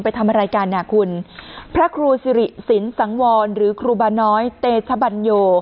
ไปทำอะไรกันอ่ะคุณพระครูสิริสินสังวรหรือครูบาน้อยเตชบัญโย